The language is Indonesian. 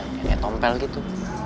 kayak tompel gitu